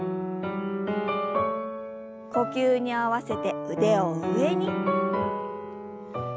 呼吸に合わせて腕を上に。